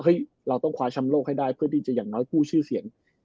เราต้องคว้าแชมป์โลกให้ได้เพื่อที่จะอย่างน้อยกู้ชื่อเสียง